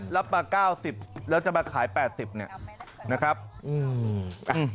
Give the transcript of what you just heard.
รับประ๙๐แล้วจะมาขาย๘๐บาท